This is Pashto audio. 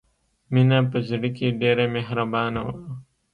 مینه په زړه کې ډېره مهربانه وه